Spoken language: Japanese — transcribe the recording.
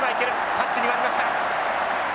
タッチを割りました。